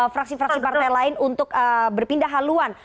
fraksi fraksi partai lain untuk berpindah haluan